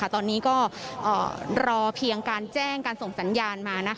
ตอนนี้ก็รอเพียงการแจ้งการส่งสัญญาณมา